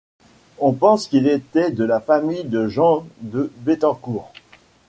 On pense qu'il était de la famille de Jean de Béthencourt.